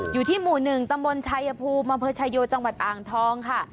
อยู่ที่หมู่๑ตำบลชายภูมิอำเภอชายโยจังหวัดอ่างทองค่ะ